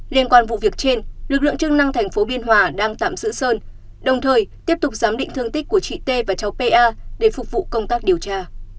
liên quan vụ việc trên lực lượng chức năng thành phố biên hòa đang tạm giữ sơn đồng thời tiếp tục giám định thương tích của chị t và cháu pa để phục vụ công tác điều tra